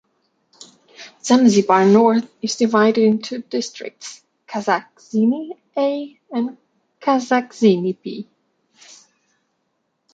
Zanzibar North is divided into two districts, Kaskazini A and Kaskazini B.